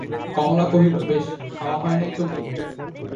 কমলা কহিল, বেশ, খাওয়া হয় নাই তো কী?